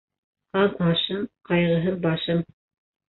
Аҙ ашым, ҡайғыһыҙ башым.